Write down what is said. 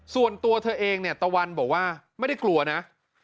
ส่วนตัวเธอเองเนี่ยตะวันบอกว่าไม่ได้กลัวนะ